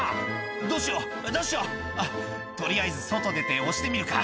「どうしようどうしよう」「あっ取りあえず外出て押してみるか」